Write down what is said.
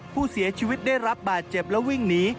ผู้เสียชีวิตได้รับบาดเจ็บและวิ่งหนี